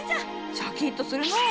シャキッとするのう。